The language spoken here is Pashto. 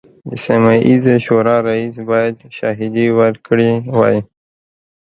د سیمه ییزې شورا رئیس باید شاهدې ورکړي وای.